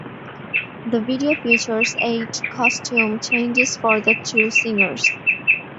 The video features eight costume changes for the two singers.